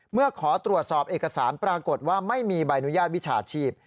เมื่อขอตรวจสอบเอกสารปรากฏว่าไม่มีใบอนุญาตวิชาชีพ